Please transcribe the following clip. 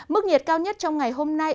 mức nhiệt cao nhất trong ngày hôm nay